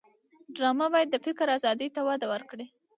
ډرامه باید د فکر آزادۍ ته وده ورکړي